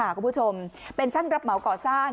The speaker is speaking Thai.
คนนี้ค่ะคุณผู้ชมเป็นช่างรับเหมาเกาะสร้าง